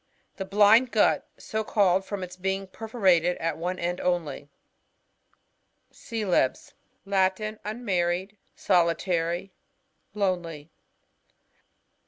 The blind gut\ so called from its being perforated at one end only. CcBLEBs. — Latin. Unmarried, soli* tary, lonely.